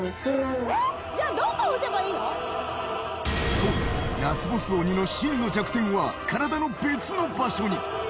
そう、ラスボス鬼の真の弱点は体の別の場所に。